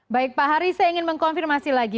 baik pak hari saya ingin mengkonfirmasi lagi